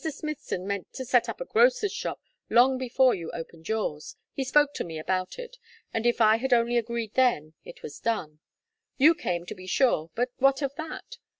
Smithson meant to set up a grocer's shop long before you opened yours; he spoke to me about it, and if I had only agreed then, it was done; you came, to be sure, but what of that?